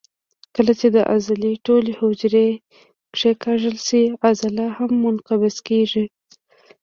کله چې د عضلې ټولې حجرې کیکاږل شي عضله هم منقبض کېږي.